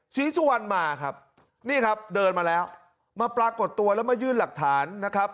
ศรีสุวรรณมาครับนี่ครับเดินมาแล้วมาปรากฏตัวแล้วมายื่นหลักฐานนะครับ